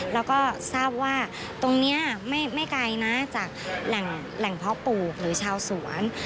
แล้วก็ทราบว่าตรงนี้ไม่ไกลนะจากแหล่งเพาะปลูกหรือชาวสวน